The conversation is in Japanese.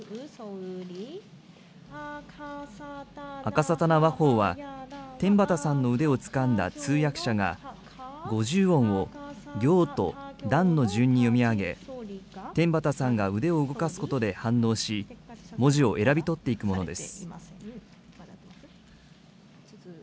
あかさたな話法は、天畠さんの腕をつかんだ通訳者が、５０音を行と段の順に読み上げ、天畠さんが腕を動かすことで反応し、文字を選び取っていくものです。